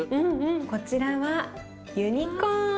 こちらはユニコーン。